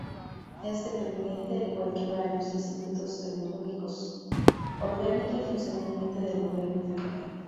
Es dependiente, al igual que varios institutos tecnológicos, orgánica y funcionalmente del Gobierno Federal.